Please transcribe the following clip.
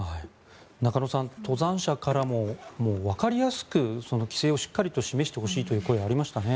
中野さん、登山者からもわかりやすく規制をしっかりと示してほしいという声がありましたね。